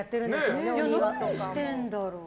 何してるんだろう。